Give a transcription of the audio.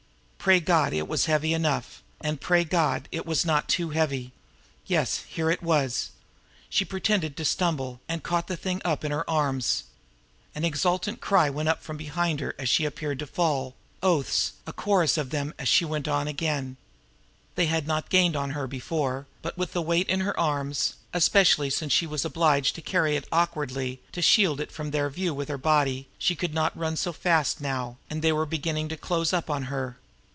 Pray God, it was heavy enough; and pray God, it was not too heavy! Yes, here it was! She pretended to stumble and caught the thing up in her arms. An exultant cry went up from behind her as she appeared to fall oaths, a chorus of them, as she went on again. They had not gained on her before; but with the weight in her arms, especially as she was obliged to carry it awkwardly in order to shield it from their view with her body, she could not run so fast now, and they were beginning to close up on her.